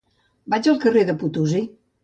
Vaig al carrer de Potosí.